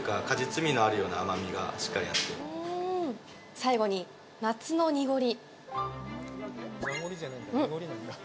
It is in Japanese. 最後に「夏のにごり」。